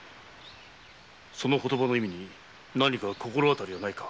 その言葉の意味に心当たりはないか？